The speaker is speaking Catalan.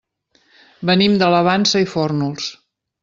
Venim de la Vansa i Fórnols.